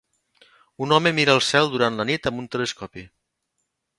Un home mira el cel durant la nit amb un telescopi.